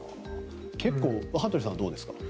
羽鳥さんはどうですか？